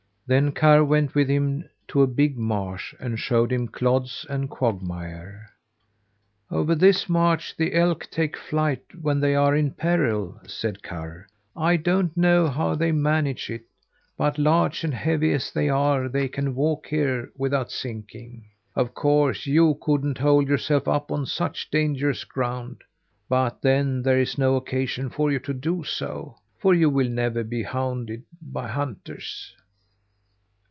Then Karr went with him to a big marsh, and showed him clods and quagmire. "Over this marsh the elk take flight when they are in peril," said Karr. "I don't know how they manage it, but, large and heavy as they are, they can walk here without sinking. Of course you couldn't hold yourself up on such dangerous ground, but then there is no occasion for you to do so, for you will never be hounded by hunters."